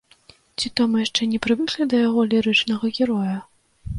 Ці то мы яшчэ не прывыклі да яго лірычнага героя?